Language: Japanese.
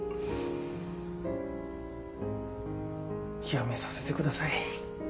辞めさせてください。